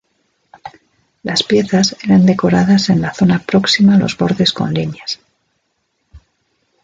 Las piezas eran decoradas en la zona próxima a los bordes con líneas.